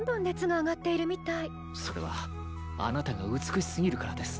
それはあなたが美しすぎるからです。